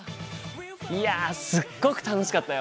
いやすっごく楽しかったよ！